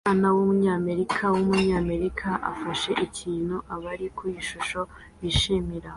Umwana wumunyamerika wumunyamerika afashe ikintu abari ku ishusho bishimira